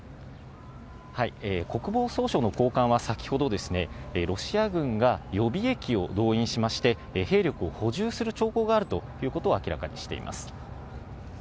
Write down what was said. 国防総省の高官は先ほど、ロシア軍が予備役を動員しまして、兵力を補充する兆候があるということを明らかにしています。